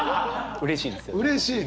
うれしいですよね。